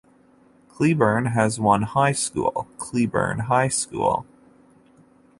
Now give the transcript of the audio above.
Cleburne has one High School, Cleburne High School.